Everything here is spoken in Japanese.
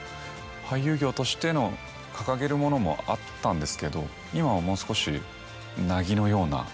俳優業としての掲げるものもあったんですけど今はもう少し。